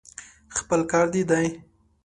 خپل کار دې دی.